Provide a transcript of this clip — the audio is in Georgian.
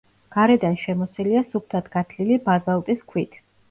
გარედან შემოსილია სუფთად გათლილი ბაზალტის ქვით.